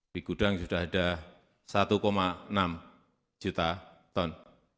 di gudang sudah ada satu enam juta ton